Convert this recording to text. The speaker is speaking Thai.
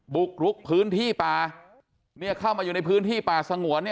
บุกรุกพื้นที่ป่าเข้ามาอยู่ในพื้นที่ป่าสงวน